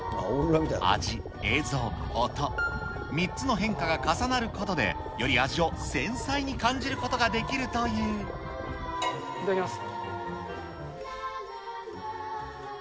味、映像、音、３つの変化が重なることで、より味を繊細に感じることができいただきます。